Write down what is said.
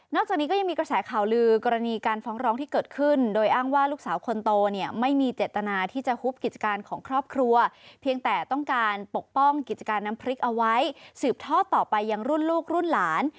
จากนี้ก็ยังมีกระแสข่าวลือกรณีการฟ้องร้องที่เกิดขึ้นโดยอ้างว่าลูกสาวคนโตเนี่ยไม่มีเจตนาที่จะฮุบกิจการของครอบครัวเพียงแต่ต้องการปกป้องกิจการน้ำพริกเอาไว้สืบทอดต่อไปยังรุ่นลูกรุ่นหลาน